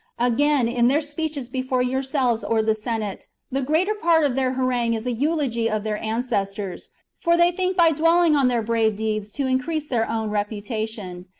Again, in their speeches before yourselves or the Senate, the greater part of their harangue is a eulogy of their ancestors ; for they think by dwelling on their brave deeds to increase their own reputation.